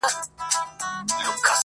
سپی ناجوړه سو او مړ سو ناګهانه,